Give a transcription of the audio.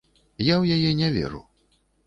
Я ў яе не веру.